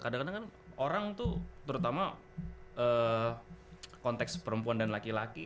kadang kadang kan orang tuh terutama konteks perempuan dan laki laki